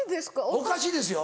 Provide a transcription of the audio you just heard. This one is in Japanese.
おかしいですよ。